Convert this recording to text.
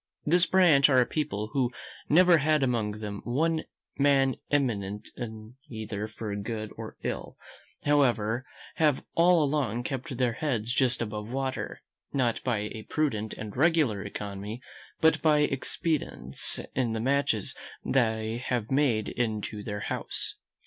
This branch are a people who never had among them one man eminent either for good or ill: however, have all along kept their heads just above water, not by a prudent and regular economy, but by expedients in the matches they have made in to their house.